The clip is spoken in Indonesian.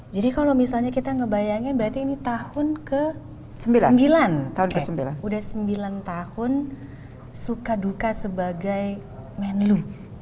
jadi kalau misalnya kita ngebayangkan berarti ini tahun ke sembilan sudah sembilan tahun suka duka sebagai menlo